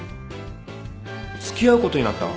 付き合うことになった？